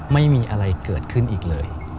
ไม่มีอะไรเกิดขึ้นอีกเลย